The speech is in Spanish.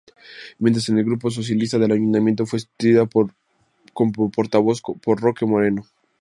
Mientras, en el grupo socialista del ayuntamiento, fue sustituida como portavoz por Roque Moreno.